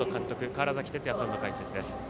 川原崎哲也さんの解説です。